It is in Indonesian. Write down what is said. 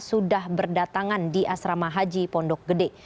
sudah berdatangan di asrama haji pondok gede